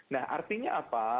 nah artinya apa